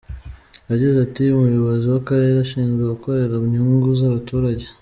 Yagize ati “Umuyobozi w’akarere ashinzwe gukorera inyungu z’abaturage.